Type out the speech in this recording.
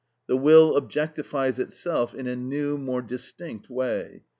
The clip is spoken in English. The will objectifies itself in a new, more distinct way.